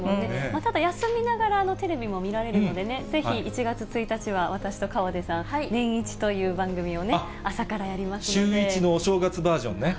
ただ休みながらテレビも見られるのでね、ぜひ１月１日は、私と河出さん、ネンイチという番組をね、シューイチのお正月バージョンね。